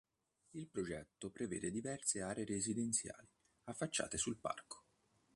Il progetto prevede diverse aree residenziali affacciate sul parco.